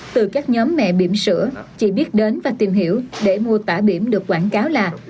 từ các nhóm mẹ biểm sữa chị biết đến và tìm hiểu để mua tả biểm được quảng cáo là